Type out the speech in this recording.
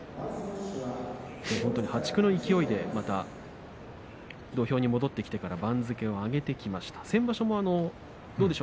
破竹の勢いで土俵に戻ってきてから番付を上げてきました阿炎です。